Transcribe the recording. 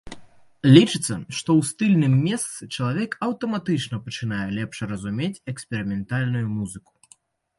Лічыцца, што ў стыльным месцы чалавек аўтаматычна пачынае лепш разумець эксперыментальную музыку.